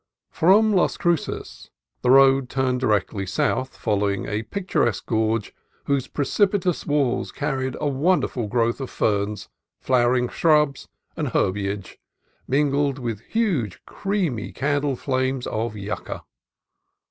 From Las Cruces the road turned directly south, following a picturesque gorge whose precipitous walls carried a wonderful growth of ferns, flowering shrubs, and herbage, mingled with huge creamy can dle flames of yucca.